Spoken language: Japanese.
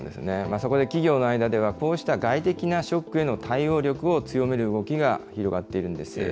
そこで企業の間では、こうした外的なショックへの対応力を強める動きが広がっているんです。